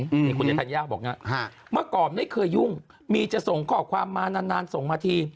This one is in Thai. นี่คุณยังทันยาบอกอย่างนี้มาก่อนไม่เคยยุ่งมีจะส่งข้อความมานานส่งมาที